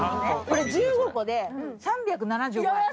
これ１５個で３７５円。